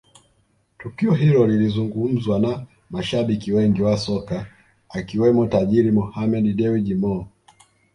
Tukio hilo lilizungumzwa na mashabiki wengi wa soka akiwemo tajiri Mohammed Dewji Mo